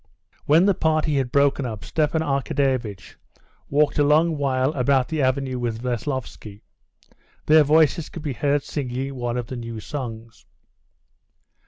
When the party had broken up, Stepan Arkadyevitch walked a long while about the avenue with Veslovsky; their voices could be heard singing one of the new songs.